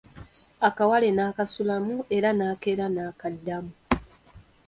Akawale nakasulamu era n'enkeera n'akaddamu.